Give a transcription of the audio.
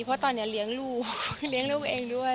เพราะตอนนี้เลี้ยงลูกคือเลี้ยงลูกเองด้วย